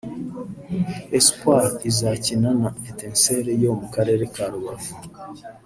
Espoir izakina na Etincelle yo mu karere ka Rubavu